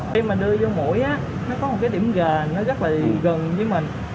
khi mà đưa vô mũi á nó có một cái điểm gần nó rất là gần với mình